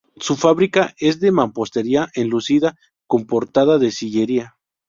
Su fábrica es de mampostería enlucida, con portada de sillería.